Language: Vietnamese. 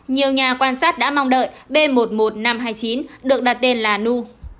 nhiều nhà quan sát đã mong đợi b một mươi một nghìn năm trăm hai mươi chín được đặt tên là nu